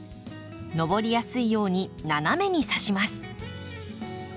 上りやすいように斜めにさします。